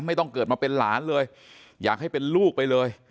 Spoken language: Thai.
ไม่ต้องเกิดมาเป็นหลานเลยอยากให้เป็นลูกไปเลย